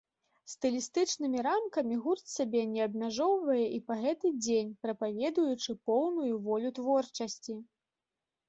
Стылістычнымі рамкамі гурт сябе не абмяжоўвае і па гэты дзень, прапаведуючы поўную волю творчасці.